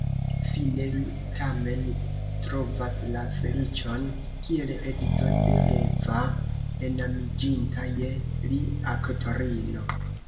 Fine li tamen trovas la feliĉon kiel edzo de Eva, enamiĝinta je li aktorino.